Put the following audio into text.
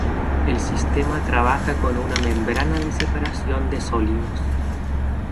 El sistema trabaja con una "membrana de Separación de Sólidos".